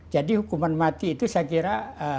jadi hukuman mati itu saya kira